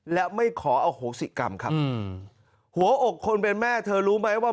และไม่ขออโหสิกรรมครับหัวอกคนเป็นแม่เธอรู้ไหมว่า